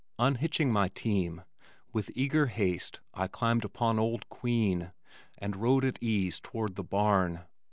Unhitching my team, with eager haste I climbed upon old Queen, and rode at ease toward the barn.